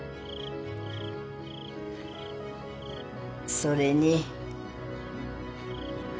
それに。